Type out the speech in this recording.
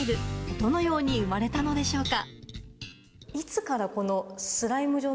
どのように生まれたのでしょうか。